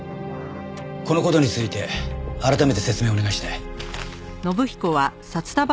この事について改めて説明をお願いしたい。